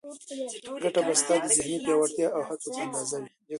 ګټه به ستا د ذهني وړتیا او هڅو په اندازه وي.